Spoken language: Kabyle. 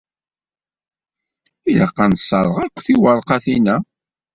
Ilaq ad nesserɣ akk tiwerqatin-a.